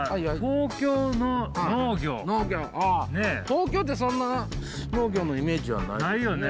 東京ってそんな農業のイメージはないですね。